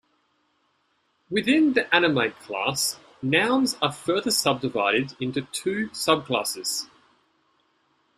Within the animate class, nouns are further subdivided into two sub-classes.